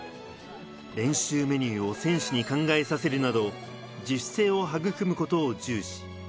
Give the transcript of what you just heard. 練習メニューを選手に考えさせるなど、自主性を育むことを重視。